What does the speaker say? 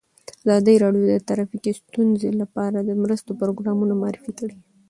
ازادي راډیو د ټرافیکي ستونزې لپاره د مرستو پروګرامونه معرفي کړي.